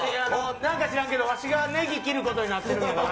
なんか知らんけど、わしがねぎ切ることになってんのよ。